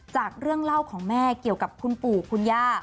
จากเรื่องเล่าของแม่เกี่ยวกับคุณปู่คุณย่า